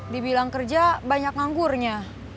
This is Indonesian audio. dibilang kerja banyak nganggurnya